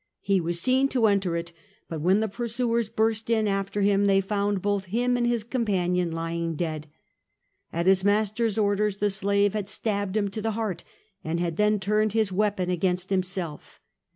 He was seen to enter it, but when the pursuers burst in after Mm, they found both Mm and his companion lying dead. At his master's orders the slave had stabbed him to the heart, and had then turned his weapon against himself.